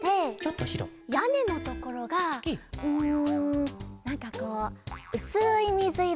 やねのところがうんなんかこううすいみずいろみたいな。